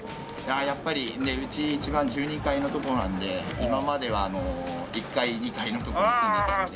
やっぱりうち一番１２階のとこなんで今までは１階２階のとこに住んでたんで。